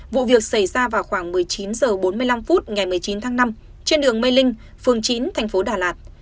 vụ việc xảy ra vào khoảng một mươi chín h bốn mươi năm phút ngày một mươi chín tháng năm trên đường mê linh phường chín thành phố đà lạt